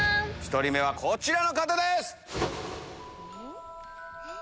１人目はこちらの方です！